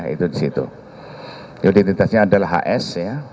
identitasnya adalah hs